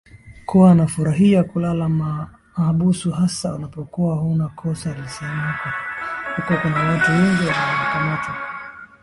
kuwa nafurahia kulala mahabusu hasa unapokuwa huna kosa alisemaHuko kuna watu wengi wanakamatwa